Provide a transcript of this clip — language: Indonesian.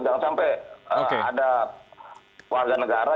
jangan sampai ada warga negara